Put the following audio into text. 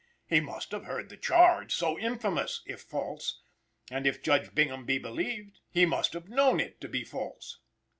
He must have heard the charge, so infamous if false, and, if Judge Bingham be believed, he must have known it to be false.